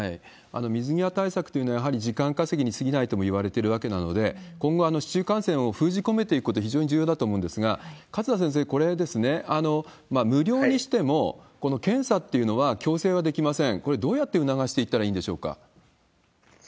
水際対策というのはやはり時間稼ぎにすぎないともいわれているわけなので、今後、市中感染を封じ込めていくこと非常に重要だと思うんですが、勝田先生、これ、無料にしても、この検査っていうのは強制はできません。